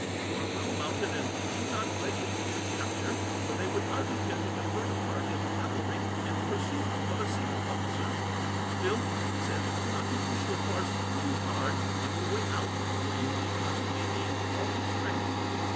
You are well mounted, and need not greatly fear capture, for they would hardly care to divert a party of cavalry in pursuit of a single officer. Still, it is as well not to push your horse too hard on your way out, for you may possibly need all his strength."